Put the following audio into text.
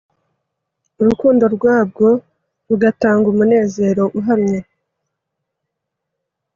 urukundo rwabwo rugatanga umunezero uhamye